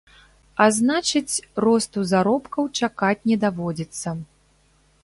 А значыць, росту заробкаў чакаць не даводзіцца.